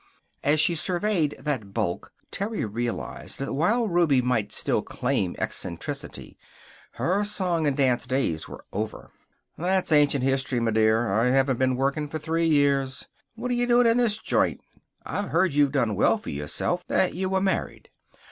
As she surveyed that bulk Terry realized that while Ruby might still claim eccentricity, her song and dance days were over. "That's ancient history, m' dear. I haven't been working for three years. What're you doing in this joint? I'd heard you'd done well for yourself. That you were married."